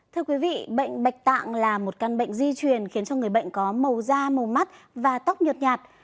thưa quý vị bệnh bạch tạng là một căn bệnh di truyền khiến cho người bệnh có màu da màu mắt và tóc nhột nhạt